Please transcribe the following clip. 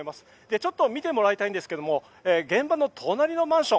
ちょっと見てもらいたいんですが現場の隣のマンション